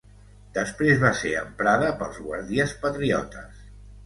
Després va ser emprada pels Guàrdies Patriotes.